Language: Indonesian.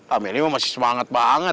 ah meli emang masih semangat banget